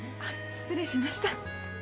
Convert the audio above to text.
失礼しました。